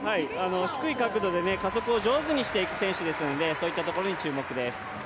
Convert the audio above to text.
低い確度で加速を上手にしていく選手ですので、そういったところに注目です。